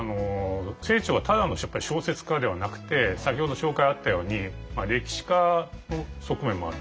清張はただの小説家ではなくて先ほど紹介あったように歴史家の側面もあるんですよね。